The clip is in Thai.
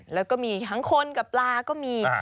แล้วก็มีทั้งคนกับปลาก็มี